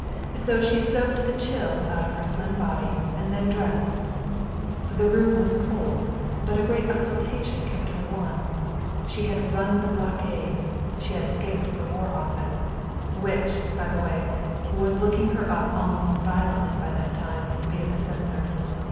So she soaked the chill out of her slim body and then dressed. The room was cold, but a great exultation kept her warm. She had run the blockade, she had escaped the War Office which, by the way, was looking her up almost violently by that time, via the censor.